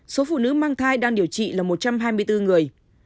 số phụ nữ mang thai đang điều trị là một trăm hai mươi bốn người